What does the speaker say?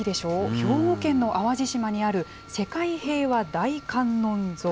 兵庫県の淡路島にある世界平和大観音像。